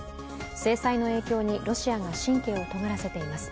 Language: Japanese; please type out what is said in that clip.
制裁の影響にロシアが神経をとがらせています。